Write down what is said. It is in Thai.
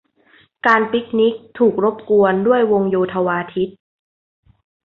การปิคนิคถูกรบกวนด้วยวงโยธวาทิตย์